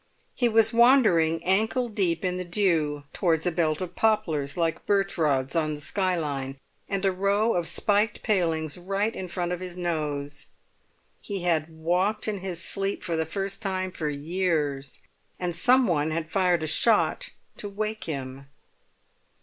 He was wandering ankle deep in the dew, towards a belt of poplars like birch rods on the skyline, and a row of spiked palings right in front of his nose. He had walked in his sleep for the first time for years, and some one had fired a shot to wake him.